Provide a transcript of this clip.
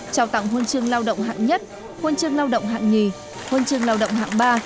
trao tặng huân chương lao động hạng nhất huân chương lao động hạng nhì huân chương lao động hạng ba